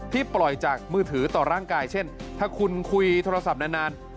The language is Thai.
ปล่อยจากมือถือต่อร่างกายเช่นถ้าคุณคุยโทรศัพท์นาน